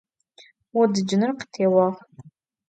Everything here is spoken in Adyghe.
Vodıcınır khıtêuağ.